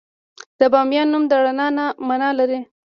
د بامیان نوم د رڼا مانا لري